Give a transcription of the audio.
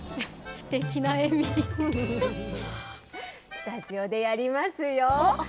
スタジオでやりますよ。